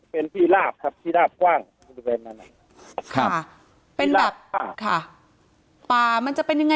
เป็นที่ลาบครับที่ลาบกว้างค่ะเป็นแบบค่ะป่ามันจะเป็นยังไง